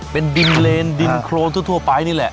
เป็นดินเลนดินโครนทั่วไปนี่แหละ